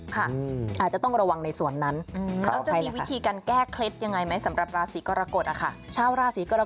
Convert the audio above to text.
ค่ะอืมอาจจะต้องระวังในส่วนนั้นอืมเราจะมีวิธีการแก้เคล็ดยังไงไหมสำหรับราศีกรกฏอะค่ะ